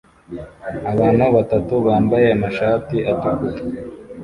Abantu batatu bambaye amashati atukura